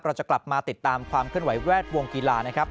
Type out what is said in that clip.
เราจะกลับมาติดตามความเคลื่อนไหวแวดวงกีฬานะครับ